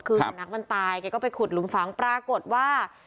คือหลุมฝังนักมันตายเขาก็ไปขุดหลุมฝังปรากฏว่า